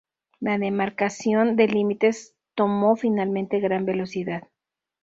La demarcación de límites tomó finalmente gran velocidad.